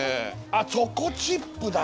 あっチョコチップだ。